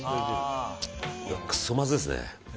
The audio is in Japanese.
うわ、くそまずですね。